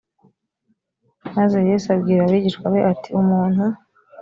maze yesu abwira abigishwa be ati umuntu